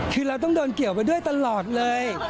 คือเราต้องโดนเกี่ยวไปด้วยตลอดเลย